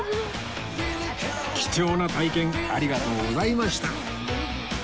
貴重な体験ありがとうございました